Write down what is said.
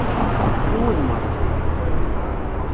I wuddem n Ṛebbi!